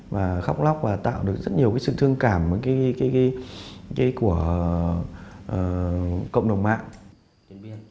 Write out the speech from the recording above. và khóc lóc và tạo được rất nhiều sự thương cảm với của cộng đồng mạng